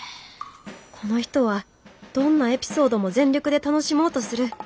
この人はどんなエピソードも全力で楽しもうとする。